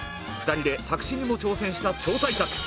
２人で作詞にも挑戦した超大作！